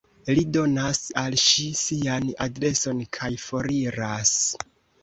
Li donas al ŝi sian adreson kaj foriras.